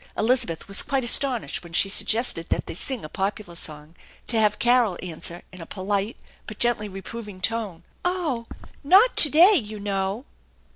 Elizabeth was quite astonished when she suggested that they sing a popular song to have Carol answer in a polite but gently reproving tone, " Oh, not to day, you know."